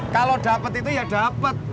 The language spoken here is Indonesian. kalo dapet itu ya dapet